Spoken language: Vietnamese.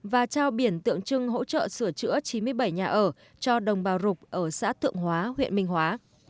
và trao biển tượng trưng hỗ trợ sửa chữa chín mươi bảy nhà ở cho đồng bào rục ở xã thượng hóa huyện minh hóa